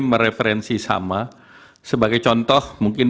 mereferensi sama sebagai contoh mungkin